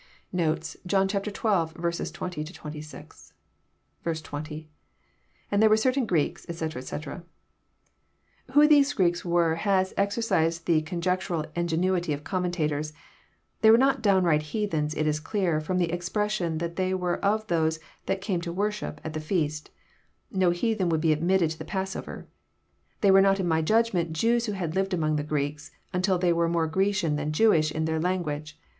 Notes. John XII. 20—26. 20. — lAnd there were certain Oreeka, etc., etc.'] Who these GreeRs were has exercised the conjectural ingenuity of comraentators. They were not downright heathens, it is clear, ft*oiD the expres sion that they were of those that came to worship " at the feast. No heathen would be admitted to the passover. — They were not in my judgment Jews who had lived among Greeks until they were more Grecian than Jewish in their language.